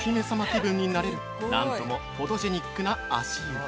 気分になれる何ともフォトジェニックな足湯。